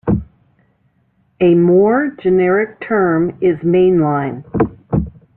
A more generic term is "mainline".